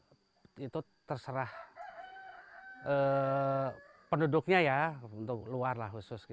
kalau luar mungkin itu terserah penduduknya ya untuk luar lah khusus